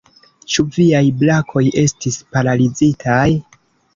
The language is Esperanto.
Ĉu viaj brakoj estis paralizitaj?